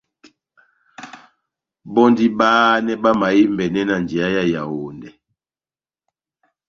Bɔ́ndini bahanɛ bamahembɛnɛ na njeya yá Yawondɛ.